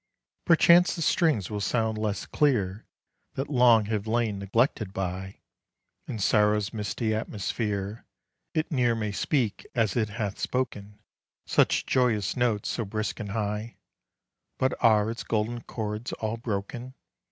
Perchance the strings will sound less clear, That long have lain neglected by In sorrow's misty atmosphere; It ne'er may speak as it hath spoken Such joyous notes so brisk and high; But are its golden chords all broken?